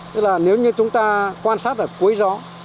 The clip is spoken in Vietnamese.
tức là nếu như chúng ta quan sát ở cuối gió